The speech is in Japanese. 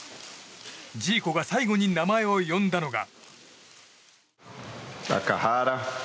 ジーコが最後に名前を呼んだのが。